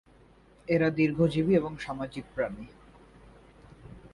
এরা দীর্ঘজীবী এবং সামাজিক প্রাণী।